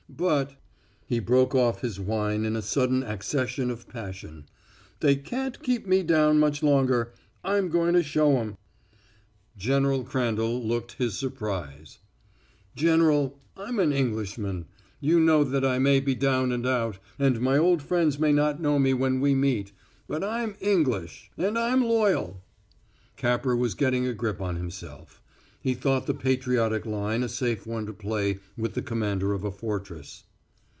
But" he broke off his whine in a sudden accession of passion "they can't keep me down much longer. I'm going to show 'em!" General Crandall looked his surprise. "General, I'm an Englishman. You know that. I may be down and out, and my old friends may not know me when we meet but I'm English. And I'm loyal!" Capper was getting a grip on himself; he thought the patriotic line a safe one to play with the commander of a fortress.